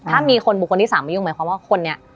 ถ้ามีคนบุคคลที่๓มายุ่งหมายความว่าคนนี้